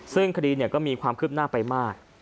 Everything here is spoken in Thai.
ซึ่งคดีก็มีความคืบหน้าไปมาก